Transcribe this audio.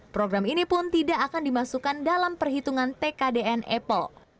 program ini pun tidak akan dimasukkan dalam perhitungan tkdn apple